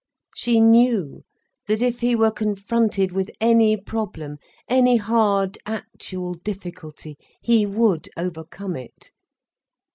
She knew that, if he were confronted with any problem, any hard actual difficulty, he would overcome it.